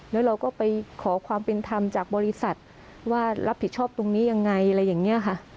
แล้วเราก็ไปขอความเป็นธรรมจากบริษัทว่ารับผิดชอบตรงนี้ยังไงอะไรอย่างนี้ค่ะ